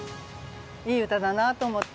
いい歌だなと思って。